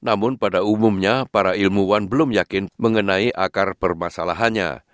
namun pada umumnya para ilmuwan belum yakin mengenai akar permasalahannya